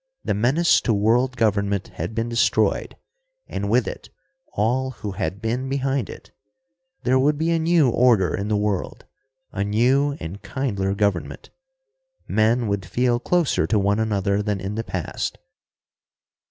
The menace to world government had been destroyed and with it all who had been behind it. There would be a new order in the world, a new and kindlier government. Men would feel closer to one another than in the past.